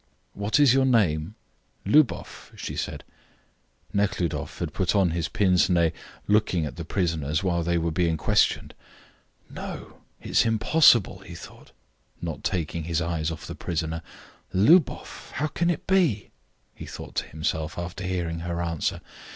"What is your name?" "Lubov," she said. Nekhludoff had put on his pince nez, looking at the prisoners while they were being questioned. "No, it is impossible," he thought, not taking his eyes off the prisoner. "Lubov! How can it be?" he thought to himself, after hearing her answer.